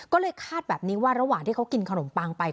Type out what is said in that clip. ก็เลยคาดแบบนี้ว่าระหว่างที่เขากินขนมปังไป